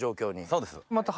そうです。